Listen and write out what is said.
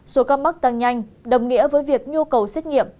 số ca mắc tăng nhanh đồng nghĩa với việc nhu cầu xét nghiệm